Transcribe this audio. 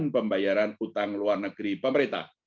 pembayaran utang luar negeri pemerintah